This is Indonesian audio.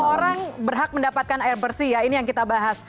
orang berhak mendapatkan air bersih ya ini yang kita bahas